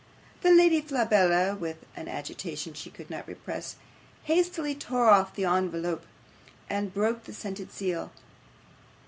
'The Lady Flabella, with an agitation she could not repress, hastily tore off the ENVELOPE and broke the scented seal.